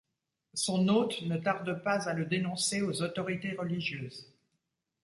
Son hôte ne tarde pas à le dénoncer aux autorités religieuses.